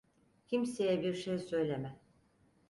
Kimseye bir şey söyleme.